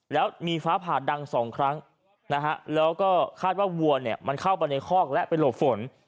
แล้วมีฟ้าผ่าดังสองครั้งนะฮะแล้วก็คาดว่าวัวเนี่ยมันเข้าไปในคอกและไปหลบฝน